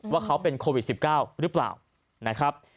ว่าเขาเป็นโควิด๑๙หรือเปล่านะครับ